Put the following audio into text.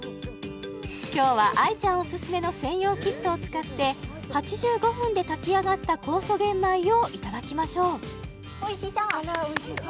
今日は愛ちゃんおすすめの専用キットを使って８５分で炊き上がった酵素玄米をいただきましょうああ